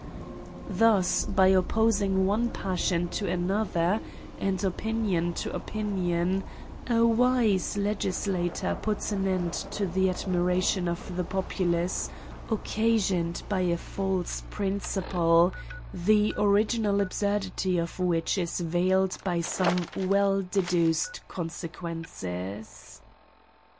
Thus, by opposing one passion to another, and opinion to opinion, a wise legislator puts an end to the ad miration of the populace occasioned By a false printijile, the original absurdity of which is veil ed by some well deduced consequences.